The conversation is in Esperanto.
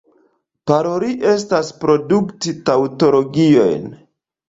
Paroli estas produkti taŭtologiojn.